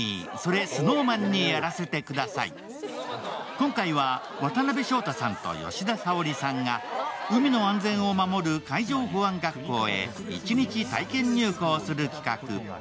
今回は渡辺翔太さんと吉田沙保里さんが海の安全を守る海上保安学校へ一日体験入校する企画。